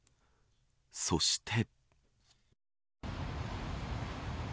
そして。